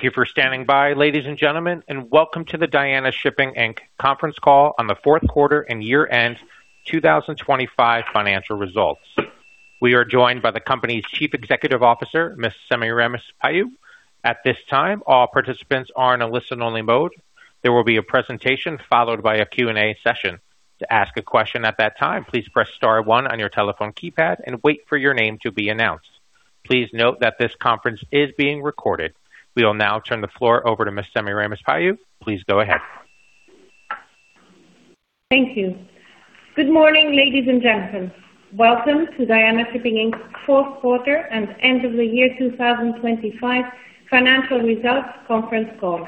Thank you for standing by, ladies and gentlemen, and welcome to the Diana Shipping Inc. conference call on the fourth quarter and year-end 2025 financial results. We are joined by the company's Chief Executive Officer, Ms. Semiramis Paliou. At this time, all participants are in a listen-only mode. There will be a presentation followed by a Q&A session. To ask a question at that time, please press star one on your telephone keypad and wait for your name to be announced. Please note that this conference is being recorded. We will now turn the floor over to Ms. Semiramis Paliou. Please go ahead. Thank you. Good morning, ladies and gentlemen. Welcome to Diana Shipping Inc.'s fourth quarter and end of the year 2025 financial results conference call.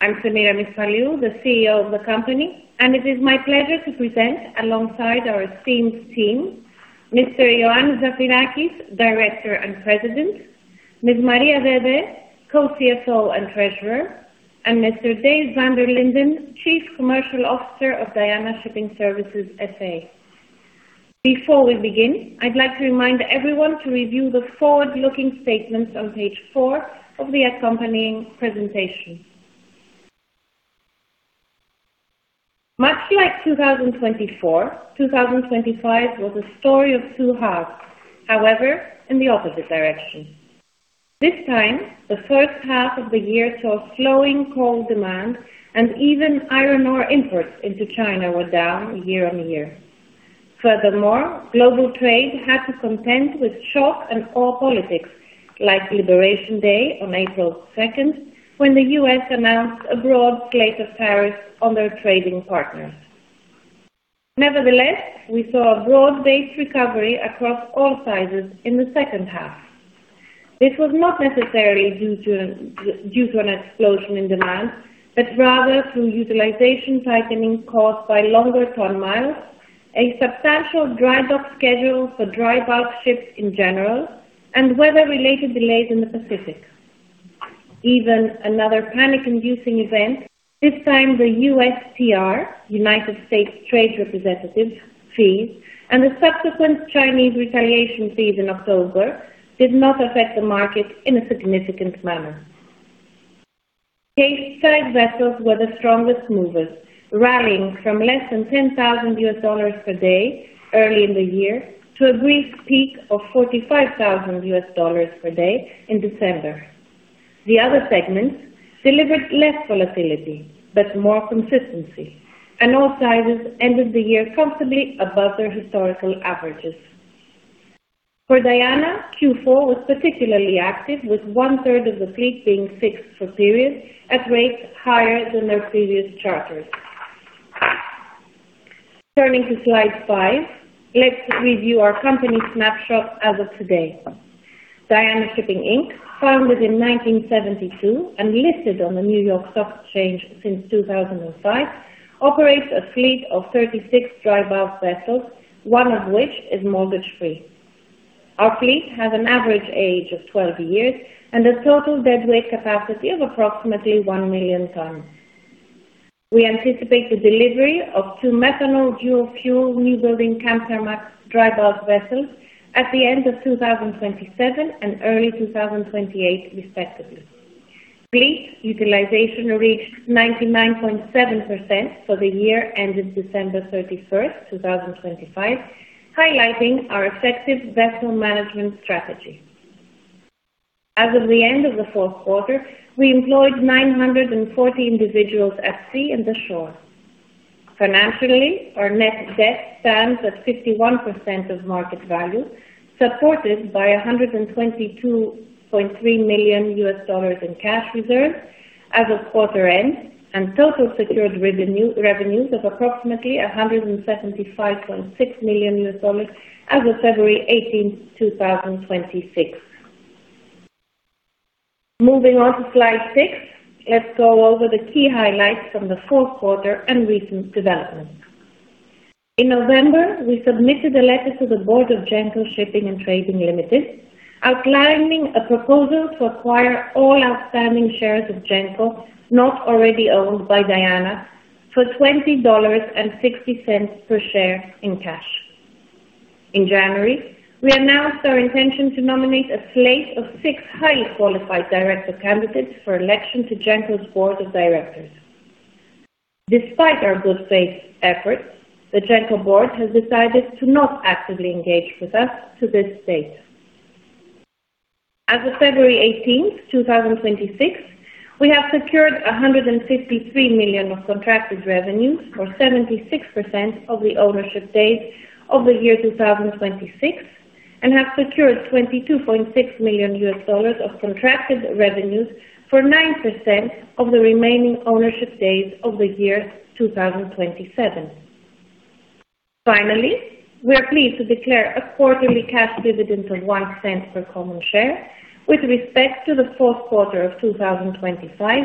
I'm Semiramis Paliou, the CEO of the company, and it is my pleasure to present alongside our esteemed team, Mr. Ioannis Zafirakis, Director and President, Ms. Maria Dede, co-CFO and Treasurer, and Mr. Dave Van der Linden, Chief Commercial Officer of Diana Shipping Services S.A. Before we begin, I'd like to remind everyone to review the forward-looking statements on page four of the accompanying presentation. Much like 2024, 2025 was a story of two halves. In the opposite direction. This time, the first half of the year saw slowing coal demand and even iron ore imports into China were down year-on-year. Furthermore, global trade had to contend with shock and awe politics like Liberation Day on April 2nd, when the U.S. announced a broad slate of tariffs on their trading partners. Nevertheless, we saw a broad-based recovery across all sizes in the second half. This was not necessarily due to an explosion in demand, but rather through utilization tightening caused by longer ton-miles, a substantial dry dock schedule for dry bulk ships in general, and weather-related delays in the Pacific. Even another panic-inducing event, this time the USTR, United States Trade Representative fees, and the subsequent Chinese retaliation fees in October did not affect the market in a significant manner. Capesize vessels were the strongest movers, rallying from less than $10,000 per day early in the year to a brief peak of $45,000 per day in December. The other segments delivered less volatility but more consistency, all sizes ended the year comfortably above their historical averages. For Diana, Q4 was particularly active, with one-third of the fleet being fixed for period at rates higher than their previous charters. Turning to slide five, let's review our company snapshot as of today. Diana Shipping Inc., founded in 1972 and listed on the New York Stock Exchange since 2005, operates a fleet of 36 dry bulk vessels, one of which is mortgage-free. Our fleet has an average age of 12 years and a total deadweight capacity of approximately 1 million tons. We anticipate the delivery of two methanol dual-fuel new building Panamax dry bulk vessels at the end of 2027 and early 2028, respectively. Fleet utilization reached 99.7% for the year ended December 31, 2025, highlighting our effective vessel management strategy. As of the end of the fourth quarter, we employed 940 individuals at sea and the shore. Financially, our net debt stands at 51% of market value, supported by $122.3 million in cash reserves as of quarter end and total secured revenues of approximately $175.6 million as of February 18, 2026. Moving on to slide six, let's go over the key highlights from the fourth quarter and recent developments. In November, we submitted a letter to the Board of Genco Shipping & Trading Limited, outlining a proposal to acquire all outstanding shares of Genco not already owned by Diana for $20.60 per share in cash. In January, we announced our intention to nominate a slate of six highly qualified director candidates for election to Genco's board of directors. Despite our good faith efforts, the Genco board has decided to not actively engage with us to this date. As of February 18, 2026, we have secured $153 million of contracted revenues, or 76% of the ownership days of the year 2026, and have secured $22.6 million of contracted revenues for 9% of the remaining ownership days of the year 2027. Finally, we are pleased to declare a quarterly cash dividend of 1 cent per common share with respect to the fourth quarter of 2025,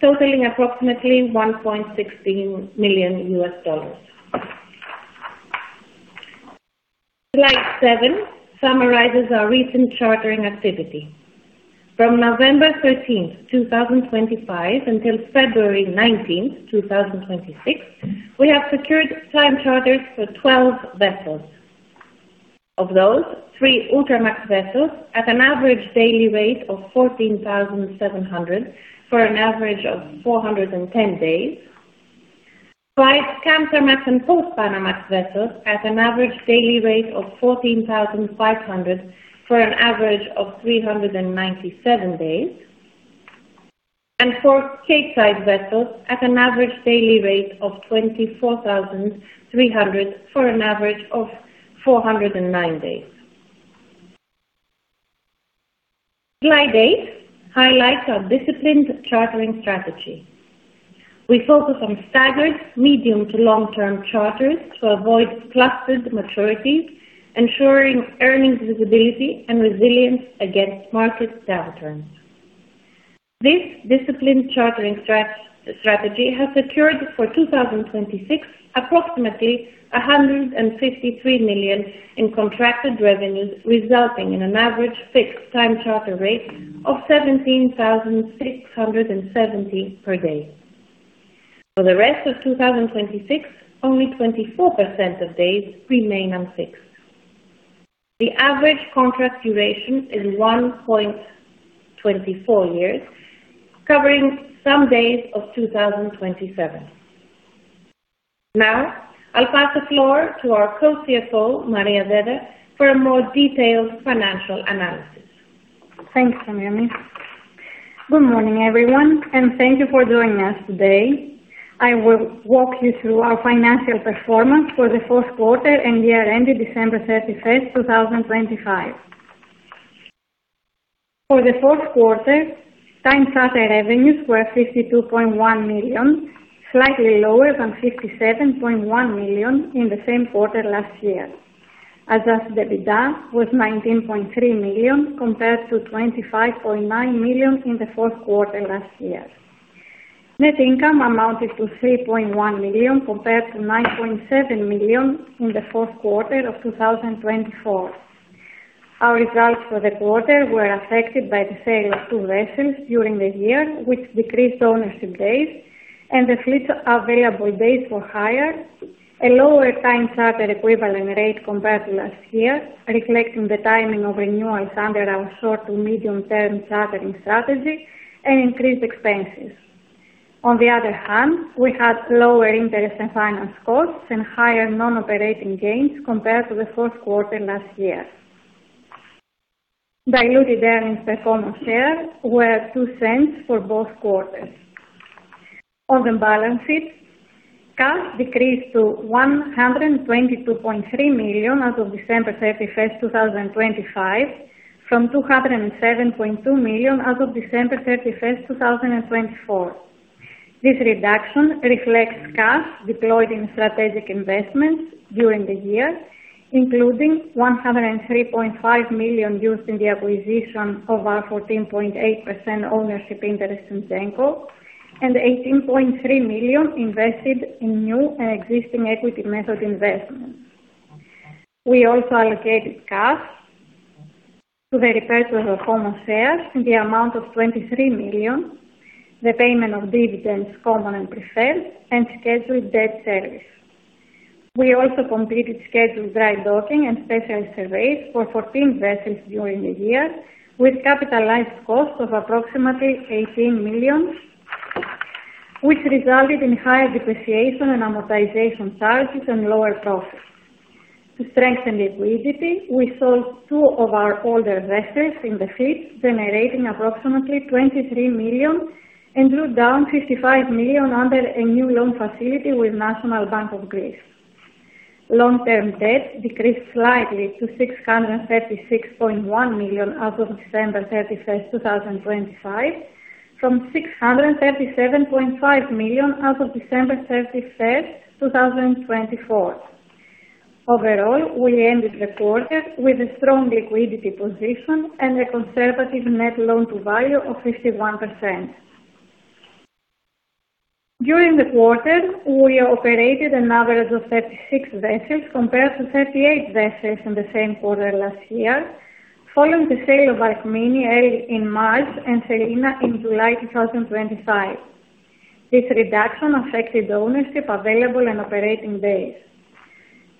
totaling approximately $1.16 million. Slide seven summarizes our recent chartering activity. From November 13th, 2025, until February 19th, 2026, we have secured time charters for 12 vessels of those, three Ultramax vessels at an average daily rate of $14,700 for an average of 410 days. 5 Panamax and Post-Panamax vessels at an average daily rate of $14,500 for an average of 397 days, and four Capesize vessels at an average daily rate of $24,300 for an average of 409 days. Slide eight highlights our disciplined chartering strategy. We focus on staggered medium to long-term charters to avoid clustered maturities, ensuring earnings visibility and resilience against market downturns. This disciplined chartering strategy has secured for 2026, approximately $153 million in contracted revenues, resulting in an average fixed time charter rate of $17,670 per day. For the rest of 2026, only 24% of days remain unfixed. The average contract duration is 1.24 years, covering some days of 2027. I'll pass the floor to our co-CFO, Maria Dede, for a more detailed financial analysis. Thanks, Semiramis. Good morning, everyone, thank you for joining us today. I will walk you through our financial performance for the fourth quarter and year ending December 31st, 2025. For the fourth quarter, time charter revenues were $52.1 million, slightly lower than $57.1 million in the same quarter last year. Adjusted EBITDA was $19.3 million, compared to $25.9 million in the fourth quarter last year. Net income amounted to $3.1 million, compared to $9.7 million in the fourth quarter of 2024. Our results for the quarter were affected by the sale of two vessels during the year, which decreased ownership days, and the fleet's available days were higher, a lower time charter equivalent rate compared to last year, reflecting the timing of renewals under our short to medium-term chartering strategy and increased expenses. On the other hand, we had lower interest and finance costs and higher non-operating gains compared to the fourth quarter last year. Diluted earnings per common share were $0.02 for both quarters. On the balance sheet, cash decreased to $122.3 million as of December 31st, 2025, from $207.2 million as of December 31st, 2024. This reduction reflects cash deployed in strategic investments during the year, including $103.5 million used in the acquisition of our 14.8% ownership interest in Genco and $18.3 million invested in new and existing equity method investments. We also allocated cash to the repurchase of common shares in the amount of $23 million, the payment of dividends, common and preferred, and scheduled debt service. We also completed scheduled dry docking and special surveys for 14 vessels during the year, with capitalized costs of approximately $18 million, which resulted in higher depreciation and amortization charges and lower profits. To strengthen liquidity, we sold two of our older vessels in the fleet, generating approximately $23 million and drew down $55 million under a new loan facility with National Bank of Greece. Long-term debt decreased slightly to $636.1 million as of December 31st, 2025, from $637.5 million as of December 31st, 2024. Overall, we ended the quarter with a strong liquidity position and a conservative net loan to value of 51%. During the quarter, we operated an average of 36 vessels, compared to 38 vessels in the same quarter last year, following the sale of Alkmini in March and Selina in July 2025. This reduction affected ownership available and operating days.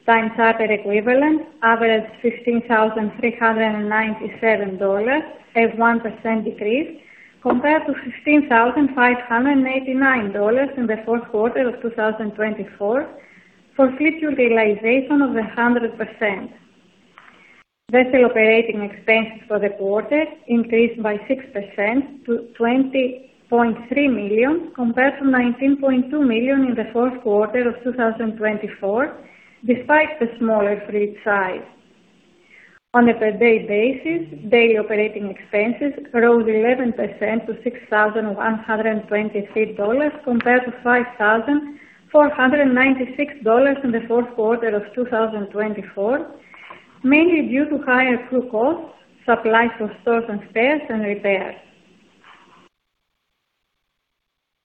Time charter equivalent, averaged $15,397, a 1% decrease compared to $16,589 in the fourth quarter of 2024, for fleet utilization of 100%. Vessel operating expenses for the quarter increased by 6% to $20.3 million, compared to $19.2 million in the fourth quarter of 2024, despite the smaller fleet size. On a per day basis, daily operating expenses rose 11% to $6,123, compared to $5,496 in the fourth quarter of 2024, mainly due to higher crew costs, supplies for stores and spares, and repairs.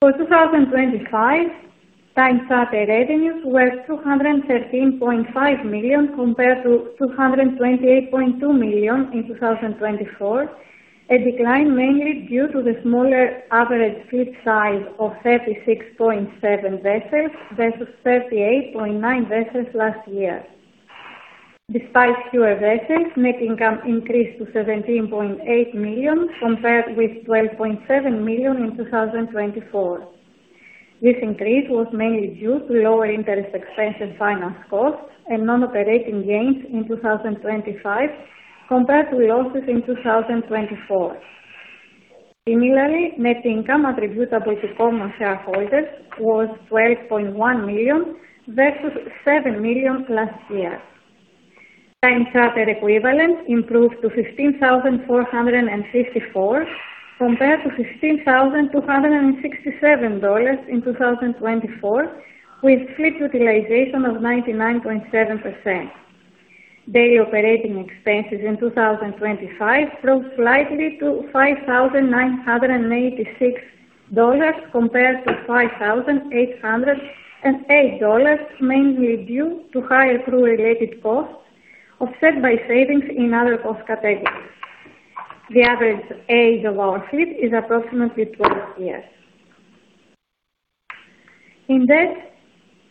For 2025, time charter revenues were $213.5 million, compared to $228.2 million in 2024. A decline mainly due to the smaller average fleet size of 36.7 vessels versus 38.9 vessels last year. Despite fewer vessels, net income increased to $17.8 million, compared with $12.7 million in 2024. This increase was mainly due to lower interest expense and finance costs and non-operating gains in 2025, compared to losses in 2024. Similarly, net income attributable to common shareholders was $12.1 million versus $7 million last year. Time charter equivalent improved to $15,454, compared to $16,267 in 2024, with fleet utilization of 99.7%. Daily operating expenses in 2025 grew slightly to $5,986 compared to $5,808, mainly due to higher crew related costs, offset by savings in other cost categories. The average age of our fleet is approximately 12 years. In debt,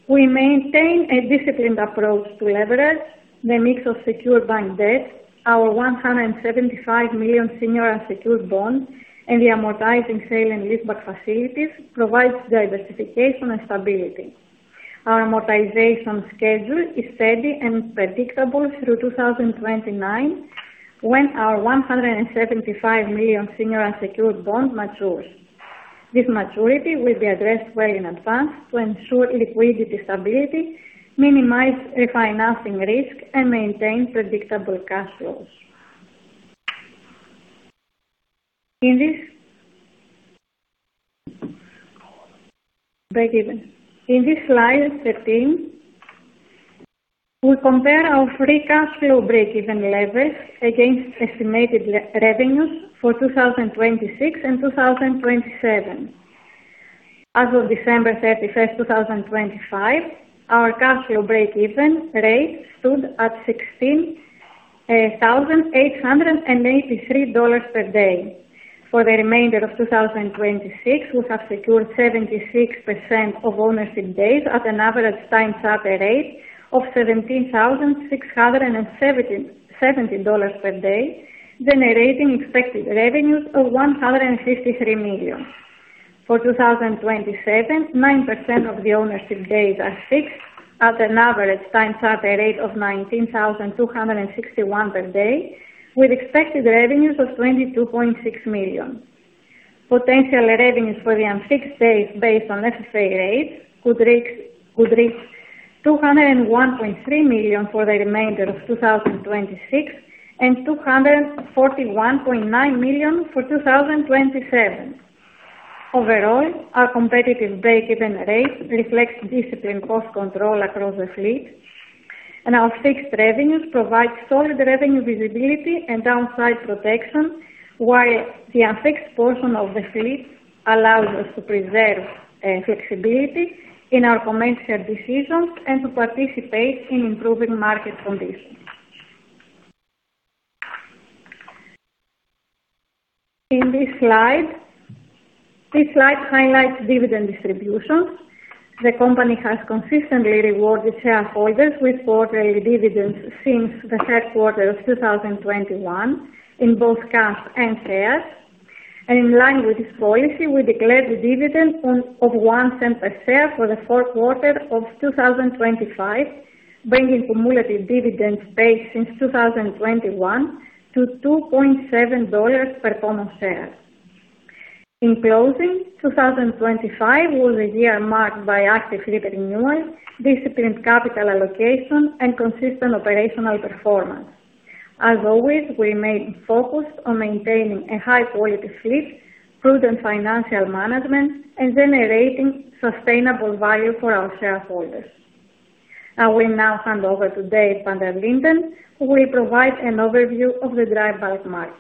we maintain a disciplined approach to leverage the mix of secure bank debt. Our $175 million senior unsecured bond and the amortizing sale and leaseback facilities provides diversification and stability. Our amortization schedule is steady and predictable through 2029, when our $175 million senior unsecured bond matures. This maturity will be addressed well in advance to ensure liquidity stability, minimize refinancing risk and maintain predictable cash flows. In this, break even. In this slide 13, we compare our free cash flow break even leverage against estimated revenues for 2026 and 2027. As of December 31st, 2025, our cash flow break even rate stood at $16,883 per day. For the remainder of 2026, we have secured 76% of ownership days at an average time charter rate of $17,670 per day, generating expected revenues of $153 million. For 2027, 9% of the ownership days are fixed at an average time charter rate of $19,261 per day, with expected revenues of $22.6 million. Potential revenues for the unfixed days based on necessary rates could reach $201.3 million for the remainder of 2026, and $241.9 million for 2027. Overall, our competitive break-even rate reflects disciplined cost control across the fleet, and our fixed revenues provide solid revenue visibility and downside protection, while the unfixed portion of the fleet allows us to preserve flexibility in our commercial decisions and to participate in improving market conditions. This slide highlights dividend distributions. The company has consistently rewarded shareholders with quarterly dividends since Q3 2021, in both cash and shares. In line with this policy, we declared a dividend of $0.01 per share for Q4 2025, bringing cumulative dividend paid since 2021 to $2.70 per common share. In closing, 2025 was a year marked by active fleet renewal, disciplined capital allocation, and consistent operational performance. As always, we remain focused on maintaining a high quality fleet, prudent financial management, and generating sustainable value for our shareholders. I will now hand over to Dave Van der Linden, who will provide an overview of the dry bulk market.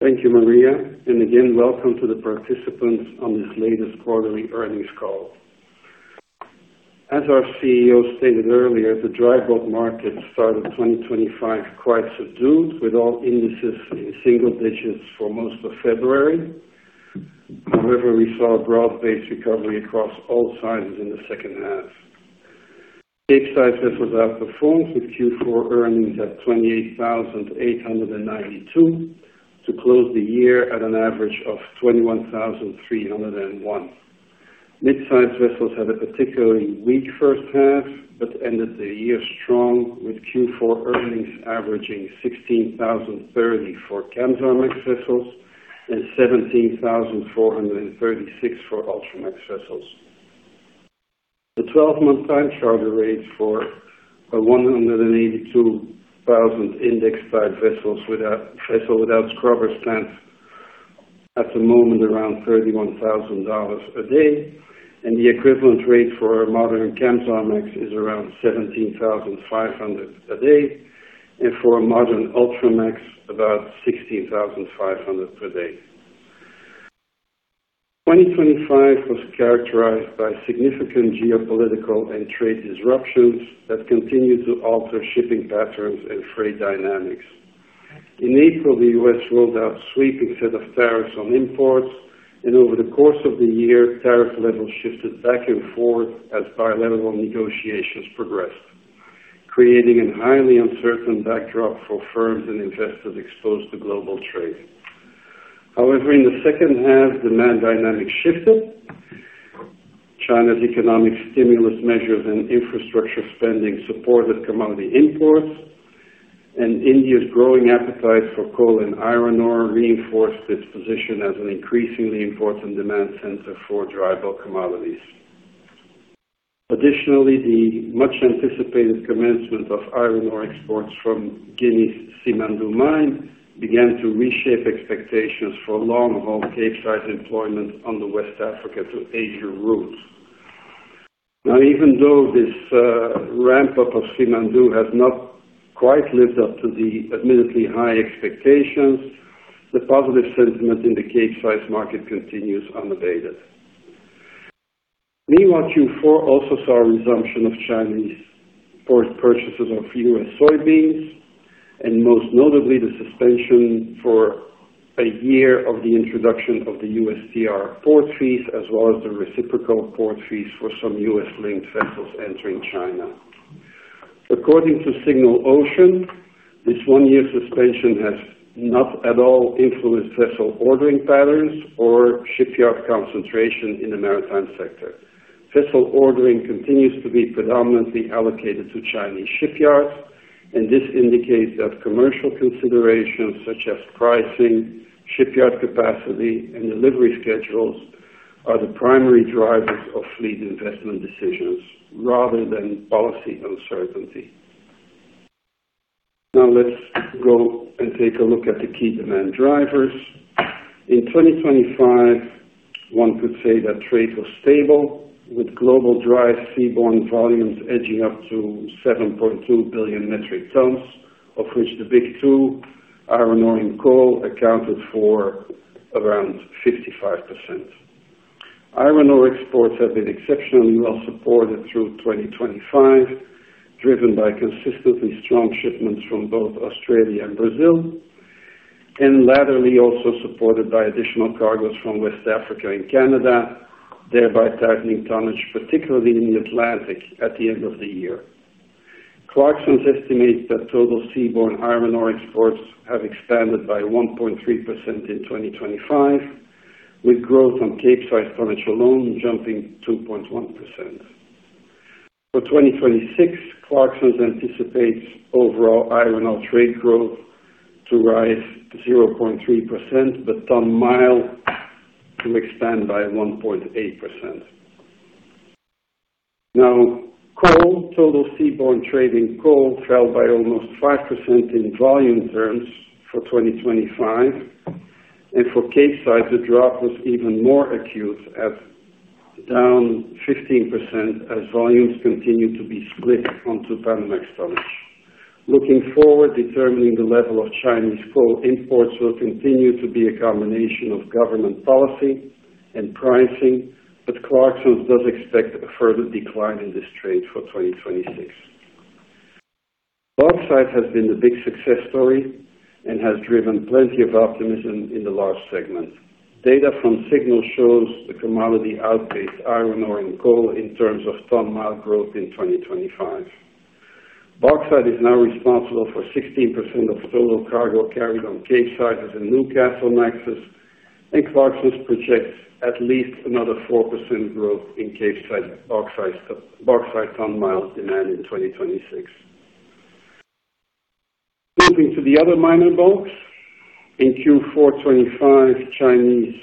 Thank you, Maria, again, welcome to the participants on this latest quarterly earnings call. As our CEO stated earlier, the dry bulk market started 2025 quite subdued, with all indices in single digits for most of February. However, we saw a broad-based recovery across all sizes in the second half. Big sizes was outperformed, with Q4 earnings at $28,892 to close the year at an average of $21,301. Mid-size vessels had a particularly weak first half, ended the year strong, with Q4 earnings averaging $16,030 for Kamsarmax vessels and $17,436 for Ultramax vessels. The 12-month time charter rate for a 182,000 index size vessels without, vessel without scrubber stands at the moment around $31,000 per day, and the equivalent rate for a modern Kamsarmax is around $17,500 per day, and for a modern Ultramax, about $16,500 per day. 2025 was characterized by significant geopolitical and trade disruptions that continued to alter shipping patterns and freight dynamics. In April, the U.S. rolled out sweeping set of tariffs on imports, and over the course of the year, tariff levels shifted back and forth as bilateral negotiations progressed, creating a highly uncertain backdrop for firms and investors exposed to global trade. However, in the second half, demand dynamics shifted. China's economic stimulus measures and infrastructure spending supported commodity imports, and India's growing appetite for coal and iron ore reinforced its position as an increasingly important demand center for dry bulk commodities. Additionally, the much anticipated commencement of iron ore exports from Guinea's Simandou Mine began to reshape expectations for long-haul Capesize employment on the West Africa to Asia routes. Even though this ramp up of Simandou has not quite lived up to the admittedly high expectations, the positive sentiment in the Capesize market continues unabated. Q4 also saw a resumption of Chinese port purchases of U.S. soybeans, and most notably, the suspension for a year of the introduction of the USTR port fees, as well as the reciprocal port fees for some U.S.-linked vessels entering China. According to Signal Ocean, this one-year suspension has not at all influenced vessel ordering patterns or shipyard concentration in the maritime sector. Vessel ordering continues to be predominantly allocated to Chinese shipyards, this indicates that commercial considerations such as pricing, shipyard capacity, and delivery schedules are the primary drivers of fleet investment decisions rather than policy uncertainty. Let's go and take a look at the key demand drivers. In 2025, one could say that trade was stable, with global dry seaborne volumes edging up to 7.2 billion metric tons, of which the big two, iron ore and coal, accounted for around 55%. Iron ore exports have been exceptionally well supported through 2025, driven by consistently strong shipments from both Australia and Brazil, and latterly also supported by additional cargoes from West Africa and Canada, thereby tightening tonnage, particularly in the Atlantic at the end of the year. Clarksons estimates that total seaborne iron ore exports have expanded by 1.3% in 2025, with growth on Capesize tonnage alone jumping 2.1%. For 2026, Clarksons anticipates overall iron ore trade growth to rise 0.3%, but ton-mile to expand by 1.8%. Coal. Total seaborne trade in coal fell by almost 5% in volume terms for 2025, and for Capesize, the drop was even more acute, as down 15% as volumes continue to be split onto Panamax tonnage. Looking forward, determining the level of Chinese coal imports will continue to be a combination of government policy and pricing. Clarksons does expect a further decline in this trade for 2026. Bauxite has been the big success story and has driven plenty of optimism in the large segment. Data from Signal shows the commodity outpaced iron ore and coal in terms of ton-mile growth in 2025. Bauxite is now responsible for 16% of total cargo carried on Capesizes in Newcastlemaxes. Clarksons projects at least another 4% growth in Capesize bauxite ton-mile demand in 2026. Moving to the other minor bulks. In Q4 2025, Chinese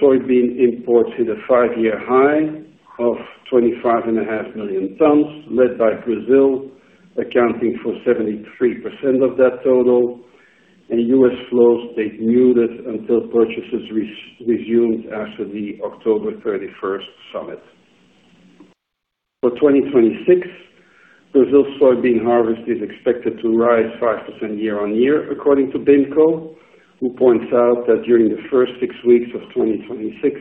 soybean imports hit a five-year high of 25 and a half million tons, led by Brazil, accounting for 73% of that total. U.S. flows stayed muted until purchases resumed after the October 31st summit. For 2026, Brazil's soybean harvest is expected to rise 5% year-on-year, according to BIMCO, who points out that during the first six weeks of 2026,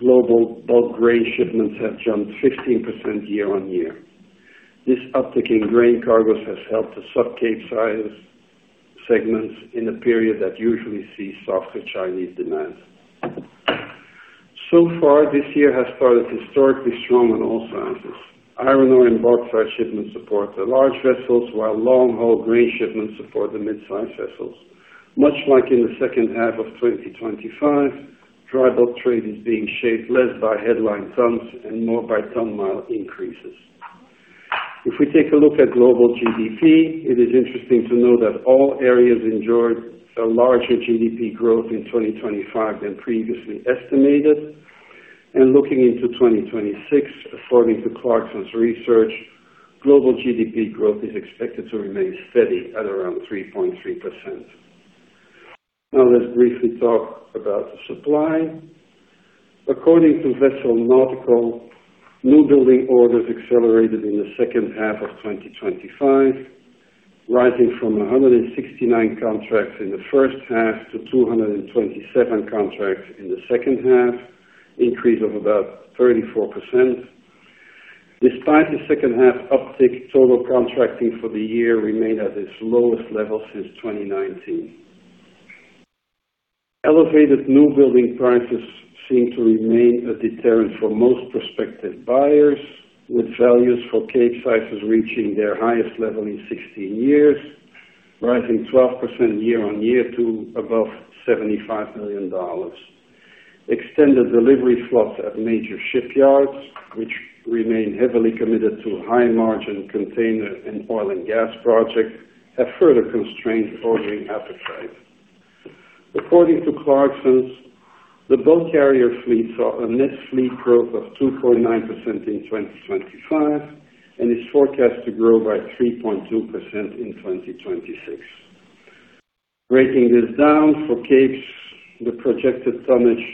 global bulk grain shipments have jumped 15% year-on-year. This uptick in grain cargoes has helped the sub Capesize segments in a period that usually sees softer Chinese demand. So far, this year has started historically strong on all sizes. Iron ore and bauxite shipments support the large vessels, while long-haul grain shipments support the mid-size vessels. Much like in the second half of 2025, dry bulk trade is being shaped less by headline tons and more by ton-mile increases. If we take a look at global GDP, it is interesting to note that all areas enjoyed a larger GDP growth in 2025 than previously estimated. Looking into 2026, according to Clarksons Research, global GDP growth is expected to remain steady at around 3.3%. Now, let's briefly talk about the supply. According to VesselsValue, new building orders accelerated in the second half of 2025. Rising from 169 contracts in the first half to 227 contracts in the second half, increase of about 34%. Despite the second half uptick, total contracting for the year remained at its lowest level since 2019. Elevated new building prices seem to remain a deterrent for most prospective buyers, with values for Capesize reaching their highest level in 16 years, rising 12% year-on-year to above $75 million. Extended delivery slots at major shipyards, which remain heavily committed to high margin container and oil and gas projects, have further constrained ordering appetite. According to Clarksons, the bulk carrier fleet saw a net fleet growth of 2.9% in 2025, and is forecast to grow by 3.2% in 2026. Breaking this down, for Capes, the projected tonnage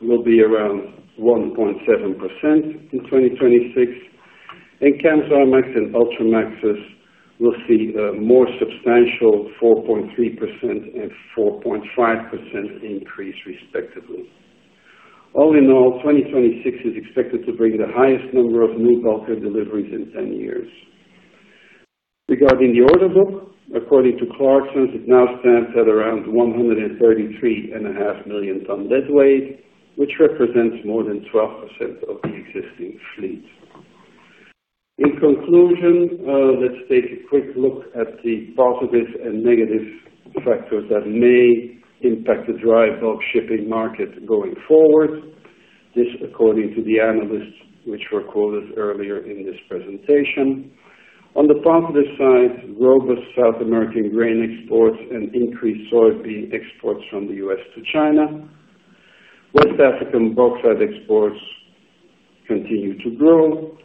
will be around 1.7% in 2026, and Kamsarmax and Ultramaxes will see a more substantial 4.3% and 4.5% increase, respectively. All in all, 2026 is expected to bring the highest number of new bulker deliveries in 10 years. Regarding the order book, according to Clarksons, it now stands at around 133.5 million ton deadweight, which represents more than 12% of the existing fleet. In conclusion, let's take a quick look at the positive and negative factors that may impact the dry bulk shipping market going forward. This, according to the analysts, which were quoted earlier in this presentation. On the positive side, robust South American grain exports and increased soybean exports from the U.S. to China. West African bauxite exports continue to grow.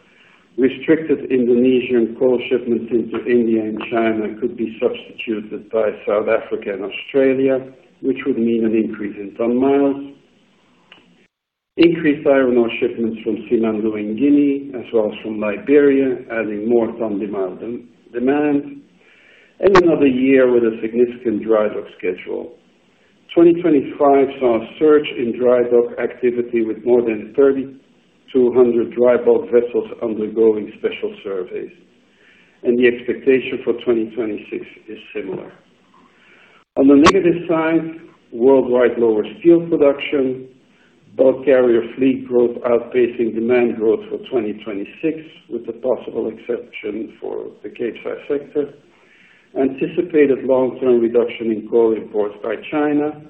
Restricted Indonesian coal shipments into India and China could be substituted by South Africa and Australia, which would mean an increase in ton-miles. Increased iron ore shipments from Simandou in Guinea, as well as from Liberia, adding more ton demand. Another year with a significant dry dock schedule. 2025 saw a surge in dry dock activity, with more than 3,200 dry bulk vessels undergoing special surveys. The expectation for 2026 is similar. On the negative side, worldwide lower steel production, bulk carrier fleet growth outpacing demand growth for 2026, with the possible exception for the Capesize sector. Anticipated long-term reduction in coal imports by China.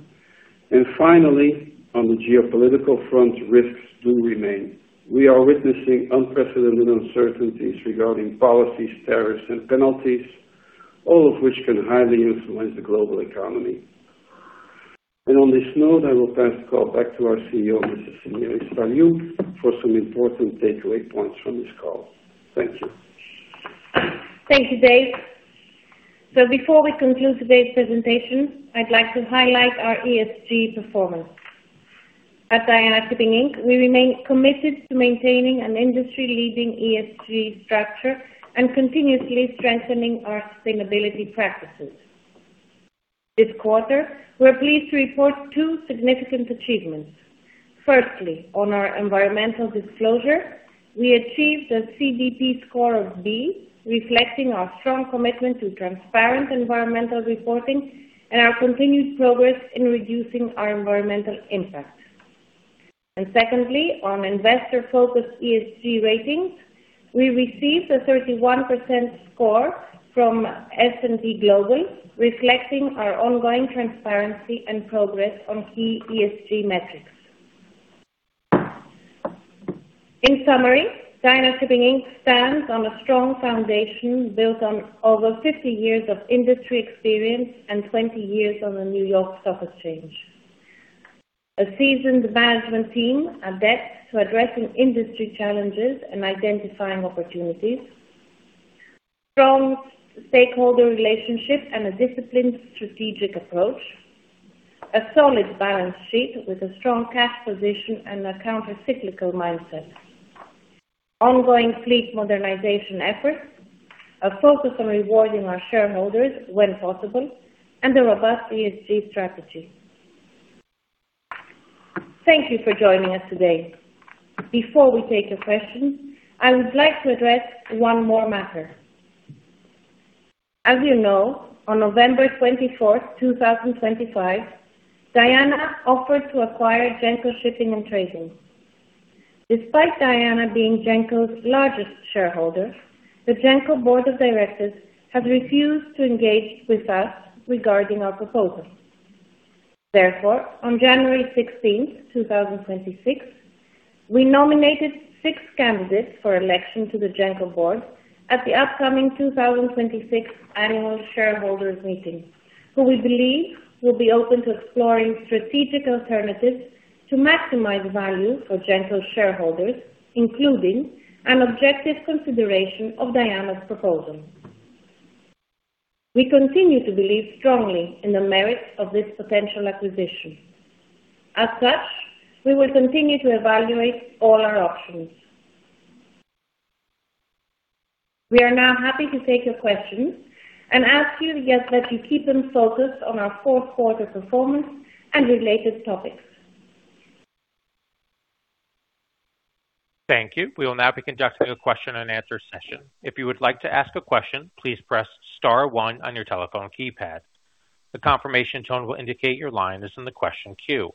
Finally, on the geopolitical front, risks do remain. We are witnessing unprecedented uncertainties regarding policies, tariffs, and penalties, all of which can highly influence the global economy. On this note, I will pass the call back to our CEO, Mrs. Semiramis Paliou, for some important takeaway points from this call. Thank you. Thank you, Dave. Before we conclude today's presentation, I'd like to highlight our ESG performance. At Diana Shipping Inc, we remain committed to maintaining an industry-leading ESG structure and continuously strengthening our sustainability practices. This quarter, we're pleased to report two significant achievements. Firstly, on our environmental disclosure, we achieved a CDP score of B, reflecting our strong commitment to transparent environmental reporting and our continued progress in reducing our environmental impact. Secondly, on investor focus ESG ratings, we received a 31% score from S&P Global, reflecting our ongoing transparency and progress on key ESG metrics. In summary, Diana Shipping Inc. stands on a strong foundation, built on over 50 years of industry experience and 20 years on the New York Stock Exchange. A seasoned management team adept to addressing industry challenges and identifying opportunities, strong stakeholder relationships, and a disciplined strategic approach. A solid balance sheet with a strong cash position and a countercyclical mindset. Ongoing fleet modernization efforts, a focus on rewarding our shareholders when possible, and a robust ESG strategy. Thank you for joining us today. Before we take your questions, I would like to address one more matter. As you know, on November 24th, 2025, Diana offered to acquire Genco Shipping & Trading. Despite Diana being Genco's largest shareholder, the Genco board of directors has refused to engage with us regarding our proposal. Therefore, on January 16th, 2026, we nominated six candidates for election to the Genco board at the upcoming 2026 annual shareholders meeting, who we believe will be open to exploring strategic alternatives to maximize value for Genco shareholders, including an objective consideration of Diana's proposal. We continue to believe strongly in the merits of this potential acquisition. As such, we will continue to evaluate all our options. We are now happy to take your questions and ask you, yes, that you keep them focused on our fourth quarter performance and related topics. Thank you. We will now be conducting a question and answer session. If you would like to ask a question, please press star one on your telephone keypad. The confirmation tone will indicate your line is in the question queue.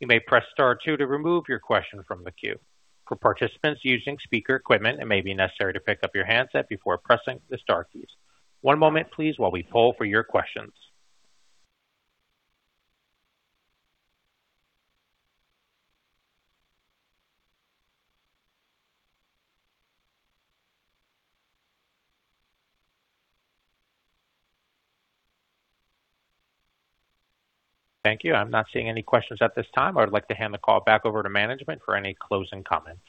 You may press star two to remove your question from the queue. For participants using speaker equipment, it may be necessary to pick up your handset before pressing the star keys. One moment, please, while we poll for your questions. Thank you. I'm not seeing any questions at this time. I would like to hand the call back over to management for any closing comments.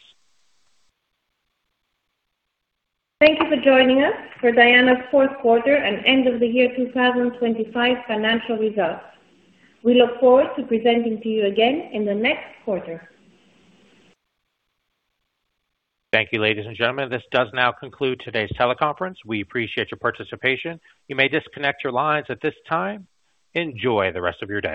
Thank you for joining us for Diana's fourth quarter and end of the year 2025 financial results. We look forward to presenting to you again in the next quarter. Thank you, ladies and gentlemen, this does now conclude today's teleconference. We appreciate your participation. You may disconnect your lines at this time. Enjoy the rest of your day.